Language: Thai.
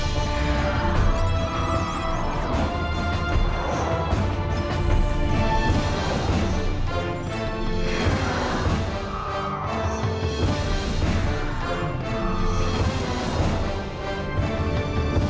โปรดติดตามตอนต่อไป